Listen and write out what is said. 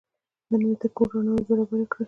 نن مې د کور رڼاوې برابرې کړې.